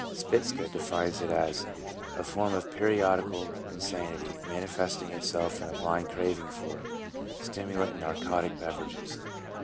Spitzka defines it as " a form of periodical insanity manifesting itself in a blind craving for stimulant and narcotic beverages."